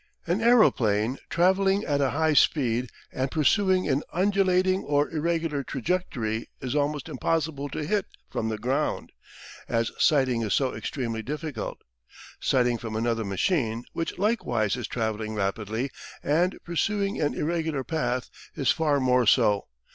An aeroplane travelling at a high speed, and pursuing an undulating or irregular trajectory is almost impossible to hit from the ground, as sighting is so extremely difficult. Sighting from another machine, which likewise is travelling rapidly, and pursuing an irregular path, is far more so.